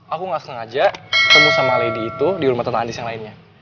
aku ngak sengaja